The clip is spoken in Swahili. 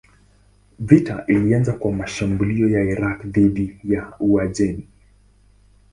Vita ilianza kwa mashambulio ya Irak dhidi ya Uajemi.